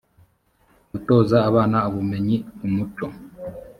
gutoza abana ubumenyi umuco